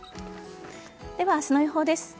では、明日の予報です。